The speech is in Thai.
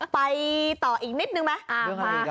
ไปต่ออีกนิดนึงไหม